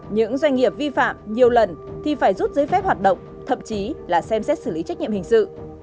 những doanh nghiệp vi phạm nhiều lần thì phải rút giấy phép hoạt động thậm chí là xem xét xử lý trách nhiệm hình sự